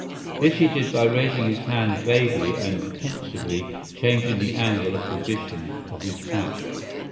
This he did by raising his hand vaguely and pensively changing the angle of position of his hat.